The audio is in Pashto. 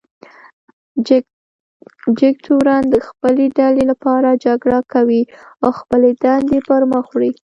جګتورن د خپلې ډلې لپاره جګړه کوي او خپلې دندې پر مخ وړي.